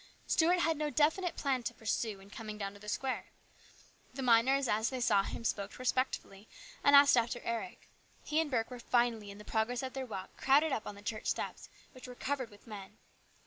Stuart had no definite plan to pursue in coming down to the square. The miners as they saw him spoke respectfully, and asked after Eric. He and Burke were finally, in the progress of their walk, crowded up on the church steps, which were covered with men.